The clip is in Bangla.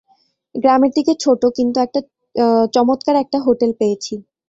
গ্রামের দিকে ছোট কিন্তু চমৎকার একটা হোটেল পেয়েছি।